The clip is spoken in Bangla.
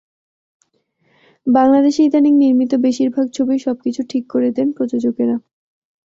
বাংলাদেশে ইদানীং নির্মিত বেশির ভাগ ছবির সবকিছু ঠিক করে দেন প্রযোজকেরা।